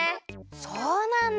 そうなんだ！